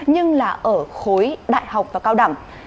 nhưng là ở khối đại học và cao đẳng